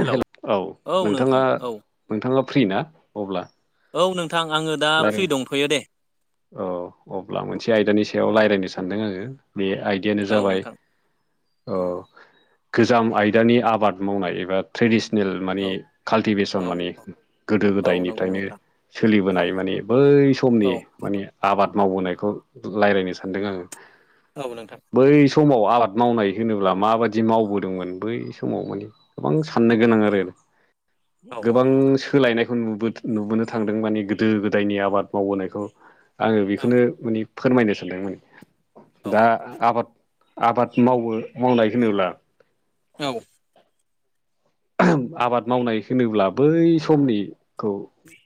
Hello हेल औ नोंथां नोंथाङा औ नोंथाङा फ्रि ना अब्ला। औ नोंथां आङो दा फ्रि रायलायनो दंथ'यो दे। औ अब्ला मोनसे आयदानि सायाव रायज्लायनो सानदों आङो बे आय बिनो औ जाबाय नोंथां ओ गोजाम आयदानि आबाद मावनाय एबा ट्रेडिसनेल औ माने काल्टिभेसन औ माने गोदो औ नंगौ गोदायनिफ्रायनो नोंथां औ सोलिबोनाय। माने बै औ समनि माने आबाद मावबोनायखौ रायलायनो सानदों आङो। औ नोंथां। बै समाव आबाद मावनाय होनोब्ला माबादि मावबोदोंमोन बै समाव माने गोबां साननो गोनां आरो। औ गोबां सोलायनायखौ नुबो- नुबोनो थांदों माने गोदो गोदायनि आबाद मावबोनायखौ आङो औ बेखौनो माने फोरमायनो सानदोंमोन। औ दा आबाद आबाद मावो मावनाय होनोब्ला औ। आबाद मावनाय होनोब्ला बै समनिखौ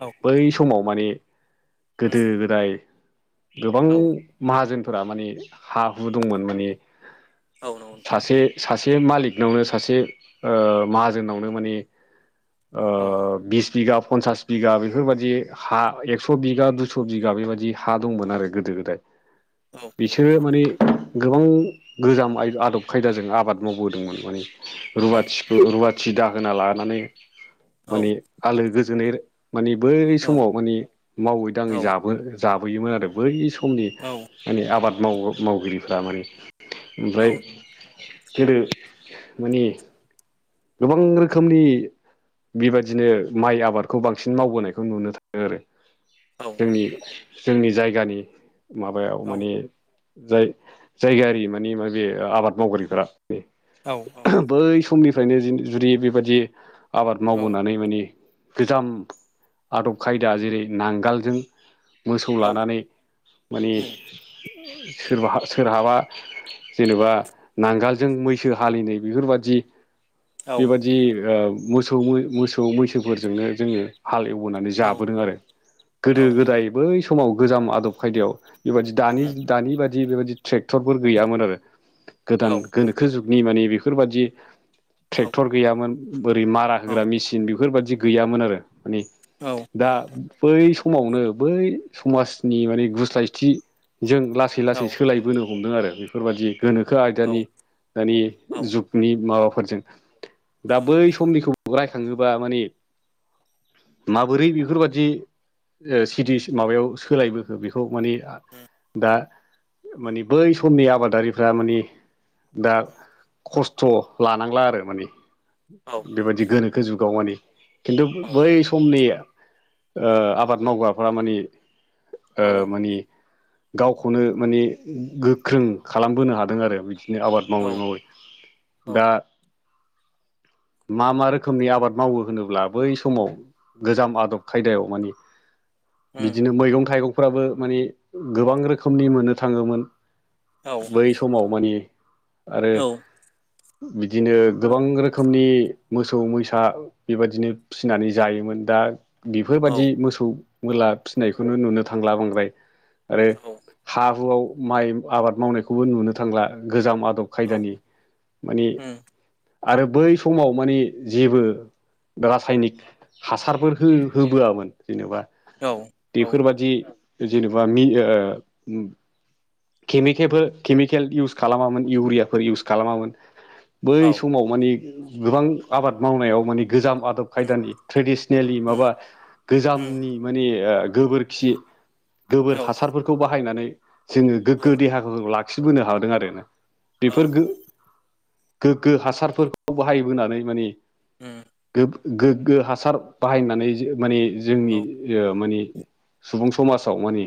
औ बै समाव माने गोदो गोदाय गोबां माहाजोनफोरा माने हा हु दंमोन माने औ नंगौ नोंथां सासे सासे मालिकनावनो सासे ओ माहाजोननावनो माने। ओ औ बिस बिगा पन्सास बिगा बेफोरबायाददि हा एक्स' बिगा दुइस' बिगा बेबायाददि हा दंमोन आरो गोदो गोदाय औ बिसोरो नोंथां माने गोबां गोजाम आदब खायदाजों आबाद मावबोदोंमोन माने औ रुवाथिखौ रुवाथि दाहोना लानानै औ माने आलो गोजोनै मानि बै औ समाव मानि मावै दाङै औ जाबो जाबोयोमोन आरो बै समनि औ माने आबाद माव मावगिरिफ्रा माने। औ ओमफ्राय नोंथां जेदो माने गोबां रोखोमनि बेबायदिनो माइ आबादखौ बांसिन मावबोनायखौ नुनो थाङो आरो। औ नंगौ औ जोंनि जोंनि जायगानि माबायाव औ माने जाय- जायगायारि माने माबे आबाद मावगिरिफ्रा बे औ औ। बै समनिफ्रायनो जु-जुदि बेबायादि आबाद मावबोनानै माने गोजाम आदब खायदा जेरै नांगालजों मोसौ लानानै। माने सोरबाहा सोरहाबा जेनेबा नांगालजों मैसो हालिनाय बेफोरबायदि। बेबादि ओ मोसौ मोसौ मैसोफोरजोंनो जोङो हाल एव बोनानै जाबोदों आरो गोदो गोदाय बै समाव गोजाम आदब खायदायाव बेबायादि दानि दानि बादि बेबायदि ट्रेक्टरफोर गैयामोन आरो गोदान गोनोखो जुगनि माने बेफोरबादि ट्रेक्टर गैयामोन बोरै मारा होग्रा मेसिन बेफोरबायदि गैयामोन आरो माने। औ। दा बै समावनो बै समाजनि माने गुस्लायथि जों लासै लासै सोलायबोनो हमदों आरो बेफोरबादि गोनोखो आयदानि दानि जुग नि माबाफोरजों दा बै समनिखौ राय थाङोबा माने माबोरै बेफोरबादि ओ सिटि माबायाव सोलायबोखो बेखौ माने दा मानि बै समनि आबादारिफ्रा माने दा खस खस्थ' लानांला आरो माने औ बेबायदि गोनोखो जुगाव माने खिन्थु औ बै समनि ओ आबाद मावग्राफ्रा माने ओ औ माने गावखौनो माने गोख्रों खालामबोनो हादों आरो बिदिनो आबाद मावै औ मावै। औ दा मा मा रोखोमनि आबाद मावो होनोब्ला बै समाव गोजाम आदब खायदायाव माने उम बिदिनो मैगं थाइगंफ्राबो माने गोबां रोखोमनि मोननो थाङोमोन। औ बै समाव मानि आरो औ बिदिनो गोबां रोखोमनि मोसौ मैसा बेबादिनो फिनानै जायोमोन दा बेफोरबादि औ मोसौ मोला फिनायखौनो नुनो थांला बांद्राय। आरो औ हा हुआव माइ आबाद मावनायखौबो नुनो थांला गोजाम आदब औ खायदानि माने उम आरो बै समाव माने जेबो रासायनिक हासारफोर हो होबोआमोन जेनबा औ औ बेफोरबादि जेनबा मि ओ उम केमिकेबो केमिकेल इउस खालामामोन इउरियाफोर इउस खालामामोन। बै औ समाव माने गोबां आबाद मावनायाव माने गोजाम आदब उम खायदानि ट्रेडिसनेलि उम माबा उम गोजामनि माने ओ गोबोरखि उम औ गोबोर हासारफोरखौ बाहायनानै जोङो गोग्गो देहाखौ लाखिबोनो हादों आरोना। औ। गो हासारफोरखौ बाहायबोनानै माने उम गोब गोग्गो हासार बाहायनानै जो माने जोंनि औ ओ माने सुबुं समाजाव मानि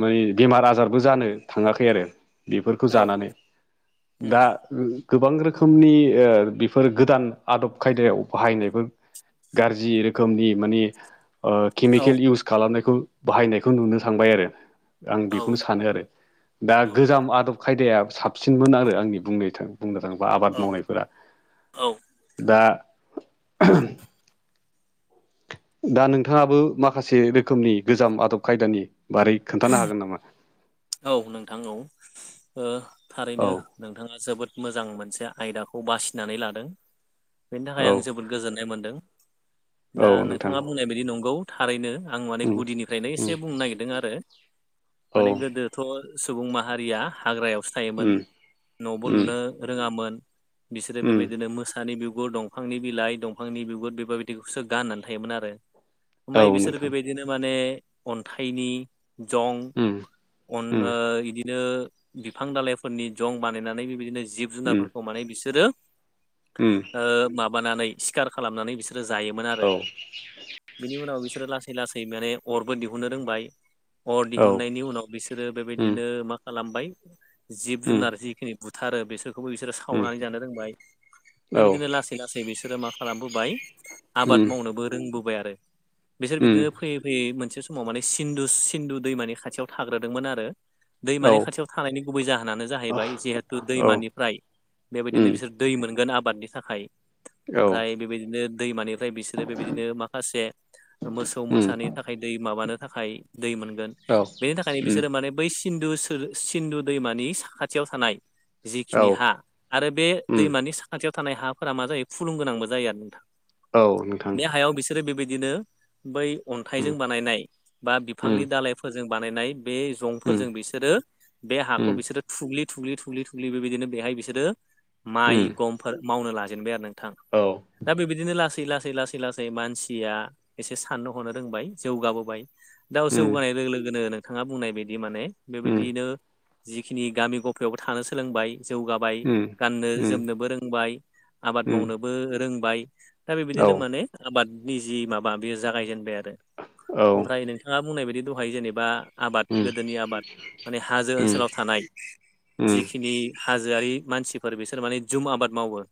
माने बेमार आजारबो जानो थाङाखै आरो। बेफोरखौ औ जानानै दा गोबां रोखोमनि ओ बेफोर गोदान आदब खायदायाव बाहायनायफोर गारजि रोखोमनि माने ओ केमिकेल इउस खालामनायखौ बाहायनायखौ नुनो थांबाय आरो। आं औ बेखौनो सानो आरो दा गोजाम आदब खायदाया साबसिनमोन आरो आंनि बुंनो थां बुंनो थाङोबा आबाद औ औ मावनायफोरा दा ओ। दा नोंथाङाबो माखासे रोखोमनि गोजाम आदब खायदानि बारै खोन्थानो हागोन नामा? औ नोंथां औ ओ औ थारैनो नोंथाङा जोबोद मोजां मोनसे आयदाखौ बासिनानै लादों बेनि थाखाय औ आं जोबोद गोजोननाय मोनदों औ दा नोंथां नोंथाङा बुंनाय बायदि नंगौ थारैनो आं माने उम गुदिनिफ्रायनो उम एसे बुंनो नागिरदों आरो औ माने गोदो बो सुबुं माहारिया हाग्रायावसो थायोमोन उम न'बो उम लुनो रोङामोन। बिसोरो उम बेबायदिनो मोसानि बिगुर, दं फांनि बिलाइ दंफांनि बिगुर बेफोरबायदिखौसो गाननानै थायोमोन आरो औ ओमफ्राय बिसोर नोंथां बेबाय दिनो माने अन्थाइनि जं उम। अन उम ओ इदिनो बिफां दालायफोरनि जं बानायनानै बेबायदिनो जिब उम जुनारफोरखौ माने बिसोरो उम ओ माबानानै सिखार खालामनानै बिसोर बिसोरो जायोमोन आरो औ बिनि उनाव बिसोरो लासै लासै माने अरबो दिहुननो रोंबाय। अर औ दिहुननायनि उनाव बिसोरो उम बेबायदिनो मा खालामबाय जिब उम जुनार जिखिनि बुथारो बिसोरखौबो बिसोरो उम सावनानै जानो रोंबाय दा औ बिदिनो लास लासै लासै बिसोरो मा खालामबोबाय आबाद उम मावनोबो रोंबोबाय आरो बिसोर उम बिदिनो फै फैयै मोनसे समाव माने सिन्दुस सिन्दु दैमानि खाथियाव थाग्रोदोंमोन आरो। औ दैमानि खाथियाव थानायनि गुबै जाहोनानो जाहैबाय जिहेतु औ दैमानिफ्राय बेबायदिनो उम बिसोर दै मोनगोन आबादनि थाखाय औ ओमफ्राय बेबायदिनो दैमानि फ्राय बिसोरो बेबायदिनो माखासे मोसौ उम औ उम मोसानि थाखाय दै माबानो थाखाय दै मोनगोन। नि थाखायनो बिसोरो माने बै सिन्दु सिन्दु दैमानि साखाथियाव थानाय। औ जिखिनि हा आरो बे उम दैमानि साखाथियाव थानाय हाफोरा मा जायो फुलुंगोनांबो जायो आरो नोंथां। औ नोंथां बे हायाायाव बिसे बिसोरो बेबायदिनो बै उम अन्थाइजों बानायनाय बा उम बिफांनि दालाइफोरजों बानायनाय। बे उम जंफोरजों बिसोरो बे हाखौ उम बिसोरो थुग्लि थुग्लि थुग्लि थुग्लि बेबायदिनो बेहाय बिसोरो उम माइ गमफोर मावनो लाजेनबाय आरो नोंथां। औ। दा बेबायदिनो लासै लासै लासै लासै मानसिया एसे साननो हनो रोंबाय जौगाबोबाय। दाउ उम जौगानाय लोगो लोगोनो नोंथाङा बुंनाय बायदि माने उम बेबायदियैनो जिखिनि गामि गफायावबो थानो सोलोंबाय जौगाबाय उम उम गाननो जोमनोबो रोंबाय। आबाद मावनोबो रोंबाय दा औ बेबायदिनो माने आबादनि जि माबा बेयो जागायजेनबाय आरो उम ओमफ्राय उम नोंथाङा बुंनाय बायदि दहाय जेनेबा आबाद गोदोनि आबाद माने हाजो ओनसोलाव उम थानाय। जिखिनि हाजोआरि मानसिफोर बिसोर माने जुम आबाद मावो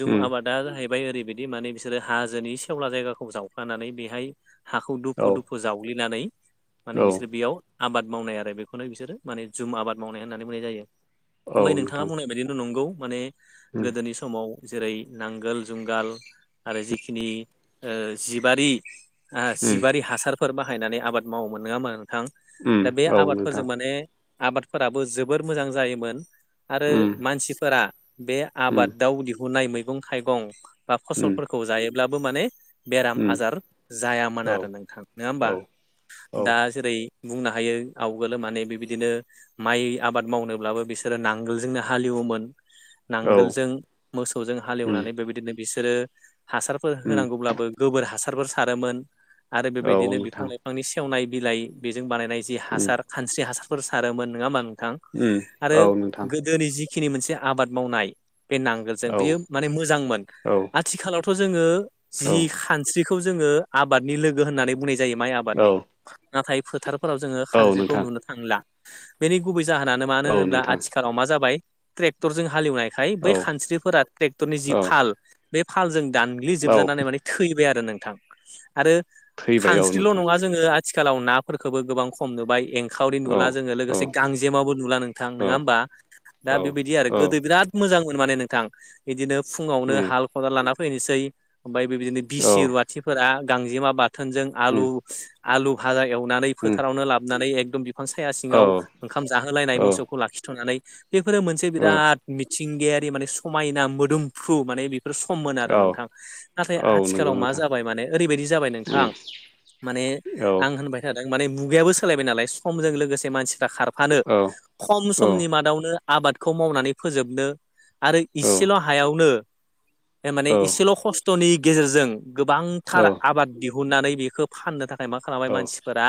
जुम उम आबाद। दा जाहैबाय ओरैबायदि माने बिसोरो हाजोनि सेवला जायगाखौ जावफानानै बेहाय हाखौ औ दुफु दुफु जावग्लिनानै माने औ बिसोरो बेयाव आबाद मावनाय आरो बेखौनो बिसोरो माने जुम आबाद मावनाय होननानै बुंनाय जाय औ ओमफाय नोंथाङा नोंथां बुंनाय बायदिनो नंगौ माने उम गोदोनि समाव जेरै नांगोल जुंगाल आरो जिखिनि जिबारि उम जिबारि हासारफोर बाहायनानै आबाद मावोमोन नङामोन थां उम दा बे औ आबादफोरजों नोंथां माने आबादफोराबो जोबोर मोजां जायोमोन। आरो उम मानसिफोरा बे उम आबादाव दिहुननाय मैगं थाइगं बा उम फसलफोरखौ। खौ जायोब्लाबो माने बेराम उम आजार औ जायामोन आरो नोंथां नङा औ होमबा? औ दा जेरै बुंनो हायो आवगोल माने बेबायदिनो माइ आबाद मावनोब्लाबो बिसोरो नांगोलजोंनो हालेवोमोन। औ नांगोलजों मोसौजों उम हालेवनानै बेबायदिनो बिसोरो हासारफोर उम होनांगौब्लाबो। गोबोर हासारफोर सारोमोन आरो औ बेबायदिनो बिफां नोंथां लाइफांनि सेवनाय बिलाइ बेजों बानायनाय। उम हासार खानस्रि हासारफोर सारोमोन नङा होमबा नोंथां उम आरो औ नोंथां दिनोै जिखिनि मोनसे आबाद मावनाय बे नांगोलजों औ बेयो माने मोजांमोन। औ आथिखालावथ' जोङो औ जि खानस्रिखौ जोङो आबादनि लोगो होननानै बुंनाय जायो माइ आबाद औ। नाथाय फोथारफोराव जोङो औ खांज्रिखौ नोंथां नुनो थांला बेनि गुबै जाहोनानो मानो औ होनोब्ला नोंथां आथिखाल साव मा जाबाय ट्रेक्टरजों हालवनायखाय बै औ खानस्रिफोरा ट्रेक्टरनि जि औ फाल बे फालजों औ दानग्लिजोबजानानै माने थैबाय आरो नोंथां आरो थैबाय औ खानस्रिल' नोंथां नङा जोङो आथिखालाव नाफोरखौबो गोबां खम नुबाय एंखावरि औ नुला जोङो औ लोगोसे गांजेमाबबो नुला नोंथां औ नङा होमबा दा औ बेबायदि आरो औ गोदो बिराद मोजांमोन माने नोंथां। बिदिनो फुङावनो उम हाल खदाल लाना फैनोसै ओमफ्राय बेबायदिनो औ बिसि रुवा मसिफोरा गांजेमा बाथोनजों उम आलु आलु भाजा एवनानै उम फोथारावनो लाबोननानै एकदम बिफां साया औ सिङाव ओंखाम जाहोलायनाय औ मोसौखौ लाखिथ'नानै बेफोरो मोनसे औ बिराद मिथिंगायारि माने समायना मोदोमफ्रु माने बेफोर सममोन आरो औ नोंथां नाथाय औ नंगौ आथिखालाव मा नोंथां जाबाय माने ओरैबायदि जाबाय उम नोंथां। माने औ आं होनबाय थादों माने मुगायाबो सोलायबाय नालाय समजों लोगोसे मानसिफ्रा खारबाय फानो औ खम औ समनि मादावनो आबादखौ मावनानै फोजोबनो आरो इसेल' हायावनो माने औ इसेल' खस्थ'नि गेजेरजों गोबांथार औ आबाद दिहुननानै बेखौ फाननो थाखाय मा खालामबाय औ मानसिफोरा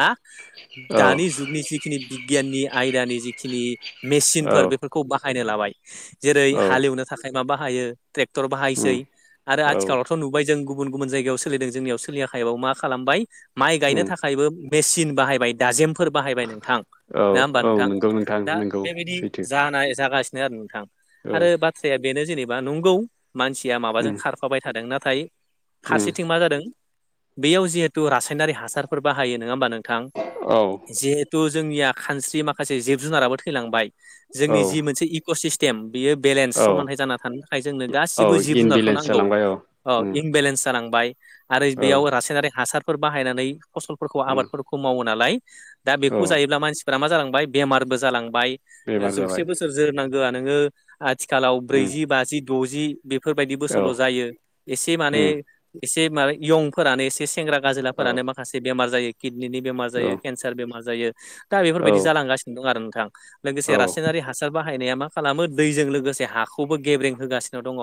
दानि जुगनि जिखिनि बिगियाननि आयदानि जिखिनि मेसिनफोर बे खौ बाहायनो लाबाय जेरै हालेवनो थाखाय मा बाहायो? ट्रेक्टर बाहायसै उम आरो औ आथिखालाव नुबाय जों गुबुन गुबुन जायगायाव सोलिदों जोंनियाव सोलियाखै मा खालामबाय माइ गायनो उम थाखाय बो मेसिन बाहायबाय दाजेमफोर बाहायबाय नोंथां औ नङा होमबा औ नोंथां। नंगौ दा नंगौ बेबायदि सैथो जानाय जागासिनो आरो नोंथां। औ आरो बाथ्राया बेनो जेनेबा नंगौ मानसिया माबाजों उम खारफाबाय थादों नाथाय। उम फारसेथिं मा जादों बेयाव जिहेथु रासायनारि हासारफोर बाहायो नङा होमबा नोंथां। औ जिहेथु जोंनिया खानस्रि माखासे जिब जुनाराबो थैलांबाय औ जोंनि जि मोनसे इक' सिस्टेम बियो बेलेन्स औ समानथाइ जाना थानो थाखाय जोंनो औ गासिबो जिब जुनारखौ इनबेलेन्स नांगौ। जालांबाय औ अ उम इमबेलेन्स जालांबाय आरो औ बेयाव रासायनारि हासारफोर बाहायनानै फसलफोरखौ उम आबादफोरखौ खौ मावो नालाय दा औ बेखौ जायोब्ला मानसिफोरा मा जालांबाय बेमारबो जालांबाय ओ बेमार जाबाय जौसे जोर नांगोआ नोङो आथिखालाव उम ब्रैजि बाजि द'जि बेफोरबायदि औ बोसोरल' जायो एसे माने उम एसे माहाय इयंफोरानो एसे सेंग्रा औ गाजोलाफोरानो माखासे बेमार जायो किडनिनि बेमार जायो औ केन्सार बेमार जायो दा औ बेफोरबायदि जालांगासिनो दं आरो नोंथां लोगोसे औ रास सायनारि हासार बाहायनाया मा खालामो दैजों लोगोसे हाखौबो गेब्रें होगासिनो दङ।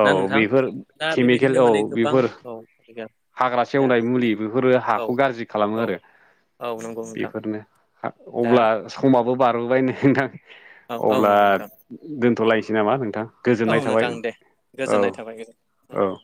औ ना नोंथां बेफोर दा केमिकेल बेबायदिनो औ माने गोबां बेफोर औ हाग्रा दा सेवनाय मुलि बेफोरो औ हाखौ गाज्रि खालामो औ आरो औ नंगौ नोंथां बेफोरनो दा अब्ला समाबो बारबोबाय नै नोंथां औ औ अब्ला नंगौ नोंथां दोनथ'लायसै नामा नोंथां। गोजोननाय थाबाय। औ गोजोन्नाय थाबाय ओ। औ